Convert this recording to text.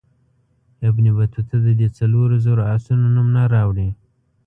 ابن بطوطه د دې څلورو زرو آسونو نوم نه راوړي.